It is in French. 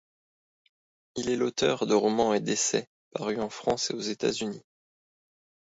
Il est l'auteur de romans et d'essais parus en France et aux États-Unis.